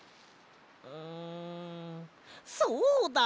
んそうだ！